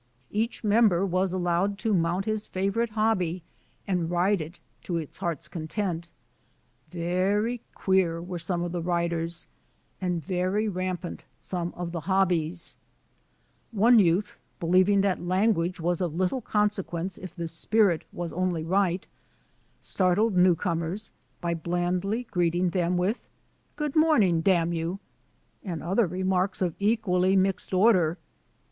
Each member was allowed to mount his favorite hobby and ride it to his heart's content. Very \ Digitized by VjOOQ IC i6o BRONSON ALCOTT'S FRUITLANDS queer were some of the riders, and very ramp ant some of the hobbies. ^ One youth, believing that language was of lit ( tie consequence if the spirit was only right, star tled new comers by blandly greeting them with "Good morning, damn you," and other remarks of an equally mixed order.